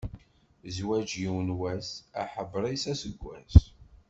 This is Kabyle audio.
Zzwaǧ yiwen wass, aḥebbeṛ-is aseggas.